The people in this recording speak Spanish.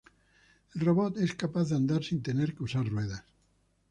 El robot es capaz de andar sin tener que usar ruedas.